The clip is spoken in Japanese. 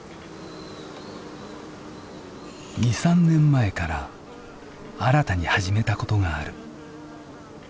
２３年前から新たに始めたことがある。